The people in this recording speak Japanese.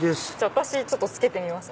私つけてみますね。